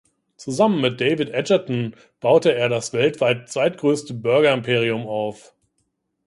Zusammen mit David Edgerton baute er das weltweit zweitgrößte Burger-Imperium auf.